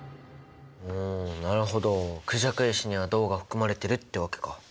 うんなるほどクジャク石には銅が含まれてるってわけか。